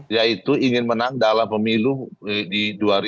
yaitu ingin menang dalam pemilu di dua ribu dua puluh